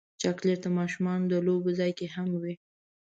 چاکلېټ د ماشومانو د لوبو ځای کې هم وي.